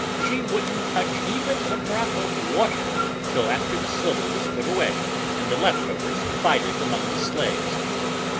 She wouldn't touch even a drop of water till after the silver was put away and the leftovers divided among the slaves."